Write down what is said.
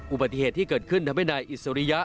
อุบัติเหตุที่เกิดขึ้นทำให้นายอิสริยะ